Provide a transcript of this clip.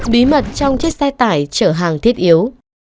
bí mật trong chiếc xe tải chở hàng thiết yếu